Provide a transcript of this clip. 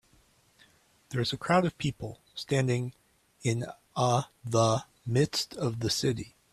There is a crowd of people standing in a the midst of the city.